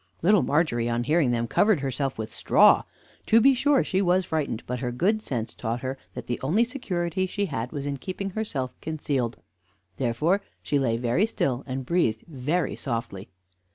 Little Margery, on hearing them, covered herself with straw. To be sure she was frightened, but her good sense taught her that the only security she had was in keeping herself concealed; therefore she lay very still and breathed very softly.